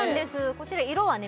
こちら色はね